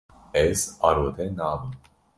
Ez arode nabim.